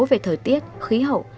về thời tiết khí hậu